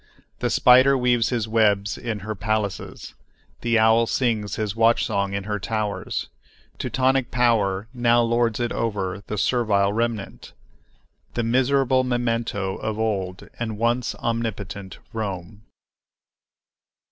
The spider weaves his web in her palaces; the owl sings his watch song in her towers. Teutonic power now lords it over the servile remnant, the miserable memento of old and once omnipotent Rome.